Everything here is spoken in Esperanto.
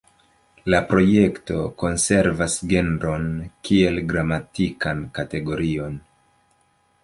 La projekto konservas genron kiel gramatikan kategorion.